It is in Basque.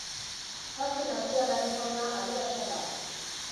Parke naturalaren fauna aberatsa da.